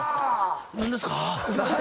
何ですか？